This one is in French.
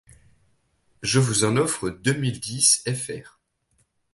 Je vous en offre deux mille dix fr.